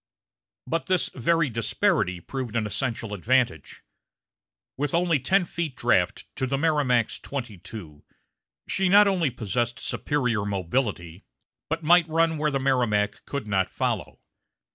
But this very disparity proved an essential advantage. With only ten feet draft to the Merrimac's twenty two, she not only possessed superior mobility, but might run where the Merrimac could not follow.